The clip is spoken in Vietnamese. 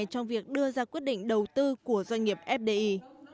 trong việc đưa ra quyết định đầu tư của doanh nghiệp fdi